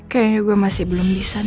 kayaknya gue masih belum bisa